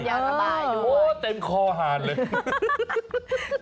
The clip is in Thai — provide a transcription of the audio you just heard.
เป็นยาวระบายด้วยโอ้เต็มคอหาดเลย